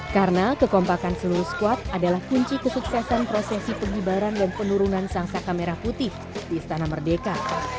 karena kekompakan seluruh squad adalah kunci kesuksesan prosesi pergibaran dan penurunan sangsa kamera putih di istana merdeka